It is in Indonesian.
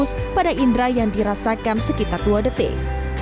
ini juga fokus pada indera yang dirasakan sekitar dua detik